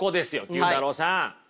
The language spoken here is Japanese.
９太郎さん。